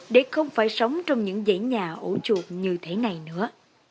để không phải sống trong những dãy nhà ổ chuột như thế này nữa